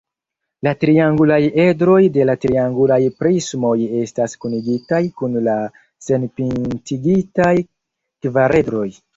La triangulaj edroj de la triangulaj prismoj estas kunigitaj kun la senpintigitaj kvaredroj.